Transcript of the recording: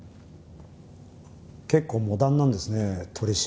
結構モダンなんですね取調室って。